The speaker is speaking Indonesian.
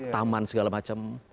taman segala macam